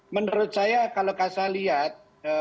menurut saya kalau saya lihat